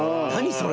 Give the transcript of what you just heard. それ。